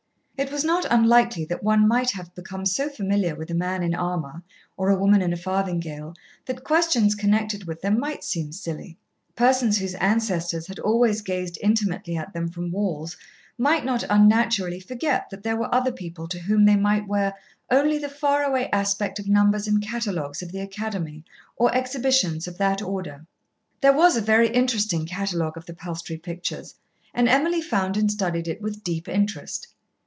It was not unlikely that one might have become so familiar with a man in armour or a woman in a farthingale that questions connected with them might seem silly. Persons whose ancestors had always gazed intimately at them from walls might not unnaturally forget that there were other people to whom they might wear only the far away aspect of numbers in catalogues of the Academy, or exhibitions of that order. There was a very interesting catalogue of the Palstrey pictures, and Emily found and studied it with deep interest.